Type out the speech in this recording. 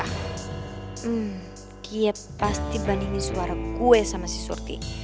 hmm dia pasti bandingin suara gue sama si surti